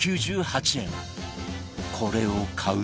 これを買う？